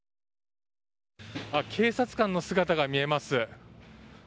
警察官の姿が見えます。